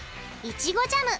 いちごジャム。